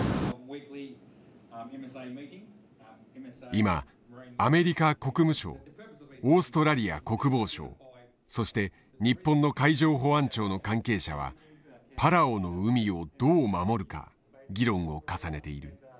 今アメリカ国務省オーストラリア国防省そして日本の海上保安庁の関係者はパラオの海をどう守るか議論を重ねている。